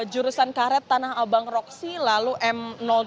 jurusan karet tanah abang roksi lalu m dua